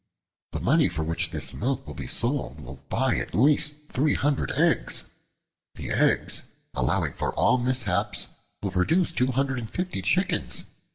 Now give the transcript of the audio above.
"The money for which this milk will be sold, will buy at least three hundred eggs. The eggs, allowing for all mishaps, will produce two hundred and fifty chickens.